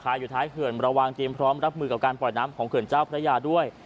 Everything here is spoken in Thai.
อยู่ท้ายเขื่อนระวังเตรียมพร้อมรับมือกับการปล่อยน้ำของเขื่อนเจ้าพระยาด้วย